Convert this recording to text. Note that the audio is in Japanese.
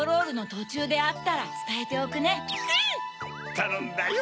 たのんだよ。